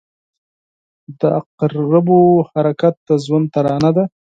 • د عقربو حرکت د ژوند ترانه ده.